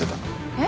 えっ。